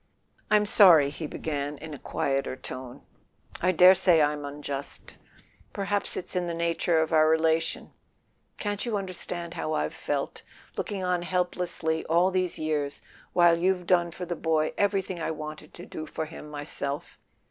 "I'm sorry," he began in a quieter tone. "I dare say I'm unjust—perhaps it's in the nature of our rela¬ tion. Can't you understand how I've felt, looking on helplessly all these years, while you've done for the boy everything I wanted to do for him myself